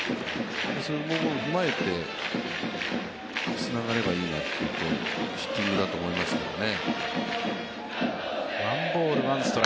そこも踏まえてつながればいいなというヒッティングだと思いますけどね。